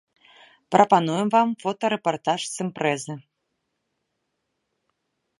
Прапануем вам фотарэпартаж з імпрэзы.